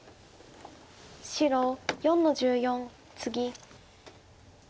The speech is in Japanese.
白４の十四ツギ。